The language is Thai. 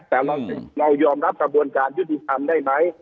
แต่เรายอมรับสถามกรรมการยุดิภัณฑ์ได้ไหม